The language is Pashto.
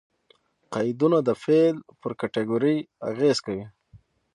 قیدونه د فعل پر کېټګوري اغېز کوي.